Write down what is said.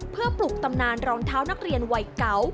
เพื่อปลุกตำนานรองเท้านักเรียนวัยเก่า